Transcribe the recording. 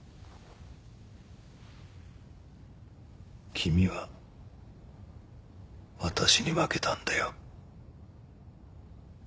君は私に負けたんだよ。